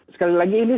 sekali lagi ini